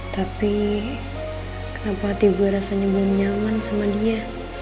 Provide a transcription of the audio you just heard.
tapi kenapa hati gue rasanya belum nyaman sama dia